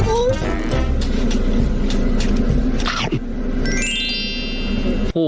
โอ้โห